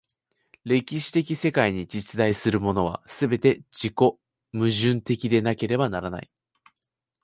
歴史的世界に実在するものは、すべて自己矛盾的でなければならない。